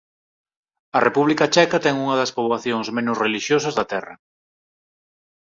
A República Checa ten unha das poboacións menos relixiosas da Terra.